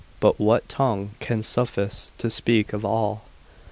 But what tongue can suffice to speak of all?